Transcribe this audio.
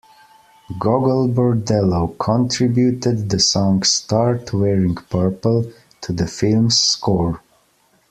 Gogol Bordello contributed the song "Start Wearing Purple" to the film's score.